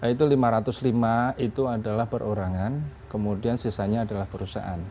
itu lima ratus lima itu adalah perorangan kemudian sisanya adalah perusahaan